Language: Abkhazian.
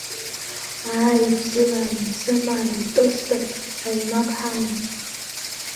Ааи, аԥсилааи мсымааи утәы-стәы ҳәа еимак ҳамам.